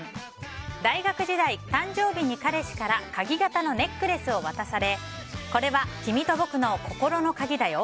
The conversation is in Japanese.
大学時代、誕生日に彼氏から鍵型のネックレスを渡されこれは君と僕の心の鍵だよ